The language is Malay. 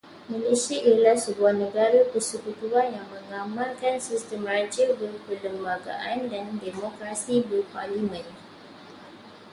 Malaysia ialah sebuah negara persekutuan yang mengamalkan sistem Raja Berperlembagaan dan Demokrasi Berparlimen.